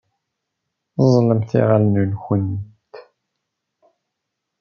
Ẓẓlemt iɣallen-nkumt.